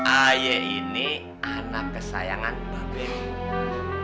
aye ini anak kesayangan mbah ben